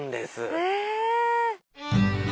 へえ。